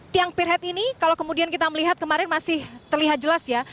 tiang peer head ini kalau kemudian kita melihat kemarin masih terlihat jelas ya